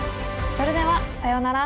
それではさようなら。